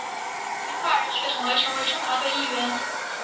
因华人血统而成为中华队一员。